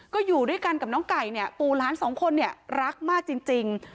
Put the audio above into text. ก็อยู่ด้วยกันกับน้องไก่เนี่ยปู่ล้านสองคนเนี่ยรักมากจริง